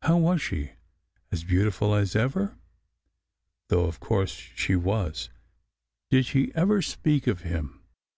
How was she? As beautiful as ever? Though of course she was ! Did she ever speak of him?